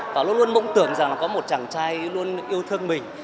và luôn luôn mong tưởng rằng có một chàng trai luôn yêu thương mình